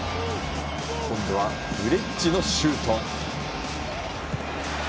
今度はフレッジのシュート。